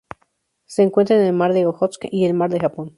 Se encuentra en el Mar de Ojotsk y el Mar de Japón.